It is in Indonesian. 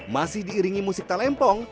masih diiringi musik talempong